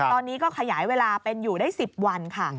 ตอนนี้ก็ขยายเวลาเป็นอยู่ได้๑๐วันค่ะ